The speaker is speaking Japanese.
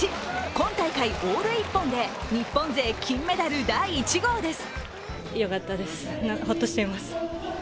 今大会オール一本で日本勢金メダル第１号です。